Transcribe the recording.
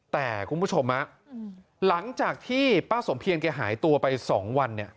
แต่คุณผู้ชมหลังจากที่ป้าสมเพียรแกหายตัวไป๒วันเนี่ย